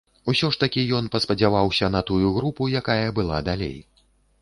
Усё ж такі ён паспадзяваўся на тую групу, якая была далей.